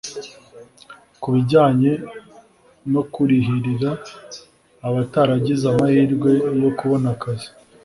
Ku bijyanye no kurihirira abataragize amahirwe yo kubona akazi